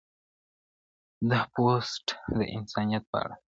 دا پوسټ د انسانیت په اړه دی.